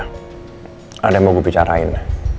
ada yang mau gue bicarain